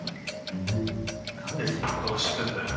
なんでそんな言葉知ってんだ。